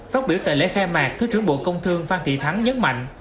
phát biểu tại lễ khai mạc thứ trưởng bộ công thương phan thị thắng nhấn mạnh